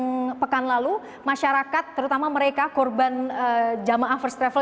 yang pekan lalu masyarakat terutama mereka korban jamaah first travel